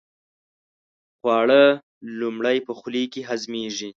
خواړه لومړی په خولې کې هضمېږي.